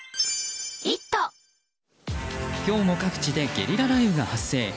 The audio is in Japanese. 今日も各地でゲリラ雷雨が発生。